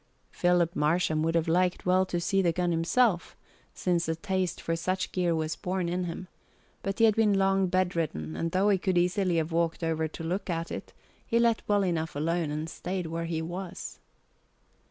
Philip Marsham would have liked well to see the gun himself, since a taste for such gear was born in him; but he had been long bedridden, and though he could easily have walked over to look at it, he let well enough alone and stayed where he was.